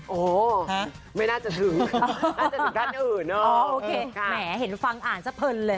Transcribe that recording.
โอ้โหไม่น่าจะถึงน่าจะถึงขั้นอื่นเนอะโอเคค่ะแหมเห็นฟังอ่านสะเพลินเลย